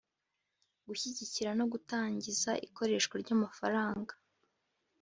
Gushyigikira no gutangiza ikoreshwa ry amafaranga